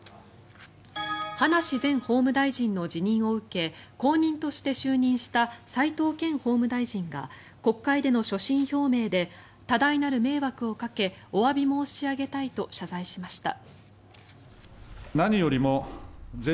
葉梨前法務大臣の辞任を受け後任として就任した斎藤健法務大臣が国会での所信表明で多大なる迷惑をかけおわび申し上げたいと謝罪しました。